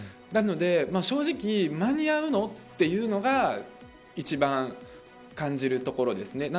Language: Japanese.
なので正直、間に合うのというのが一番感じるところですね。